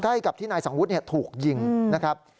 ใกล้กับที่นายสังวุฒิถูกยิงนะครับ